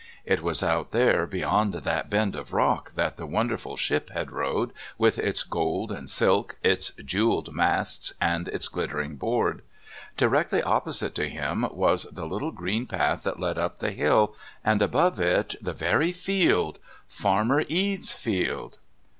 It was out there beyond that bend of rock that the wonderful ship had rode, with its gold and silk, its jewelled masts and its glittering board. Directly opposite to him was the little green path that led up the hill, and above it the very field Farmer Ede's field!